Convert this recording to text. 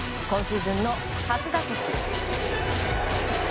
今シーズンの初打席。